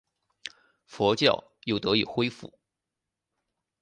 佛教又得以恢复。